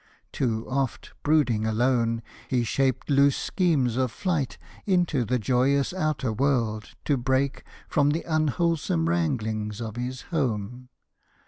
Too oft Brooding alone, he shaped loose schemes of flight Into the joyous outer world, to break From the unwholesome wranglings of his home.